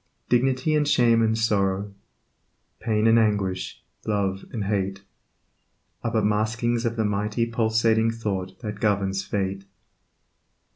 Dignity and shame and sorrow, Pain and anguish, love and hate Are but maskings of the mighty Pulsing Thought that governs Fate.